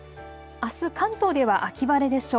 あす関東では秋晴れでしょう。